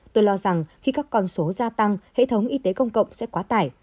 tôi lo rằng khi các con số gia tăng hệ thống y tế công cộng sẽ quá tải